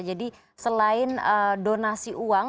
jadi selain donasi uang